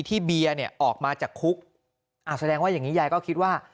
เบียร์เนี่ยออกมาจากคุกอ่าแสดงว่าอย่างนี้ยายก็คิดว่า